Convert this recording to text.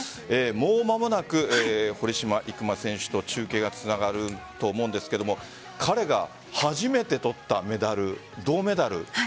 もう間もなく堀島行真選手と中継がつながると思うんですが彼が初めて取ったメダル銅メダル。